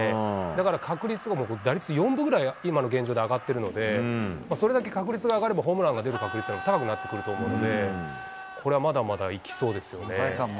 だから、確率、打率４分ぐらい今の現状で上がってるので、それだけ確率が上がれば、ホームランが出る確率が高くなってくると思うので、これはまだまだいきそうですよね。